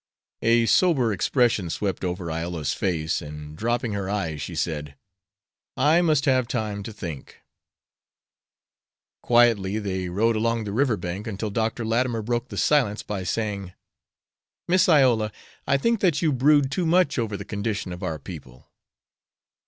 A sober expression swept over Iola's face, and, dropping her eyes, she said: "I must have time to think." Quietly they rode along the river bank until Dr. Latimer broke the silence by saying: "Miss Iola, I think that you brood too much over the condition of our people."